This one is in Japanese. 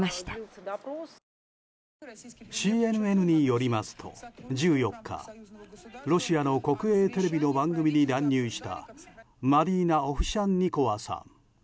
ＣＮＮによりますと１４日ロシアの国営テレビの番組に乱入したマリーナ・オフシャンニコワさん。